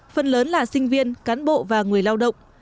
phần lớn là sinh viên cán bộ và người lao động